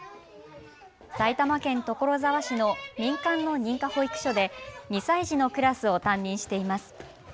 埼玉県所沢市の民間の認可保育所で２歳児のクラスを担任しています。